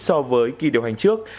so với kỳ điều hành trước